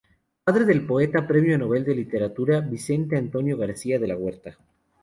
Padre del poeta Premio Nobel de Literatura Vicente Antonio García de la Huerta.